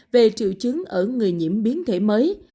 về triệu chứng ở người nhiễm biến thể mới